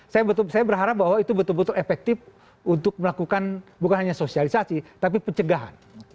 saya berharap bahwa itu betul betul efektif untuk melakukan bukan hanya sosialisasi tapi pencegahan